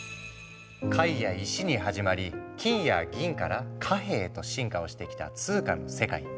貝や石に始まり金や銀から貨幣へと進化をしてきた通貨の世界。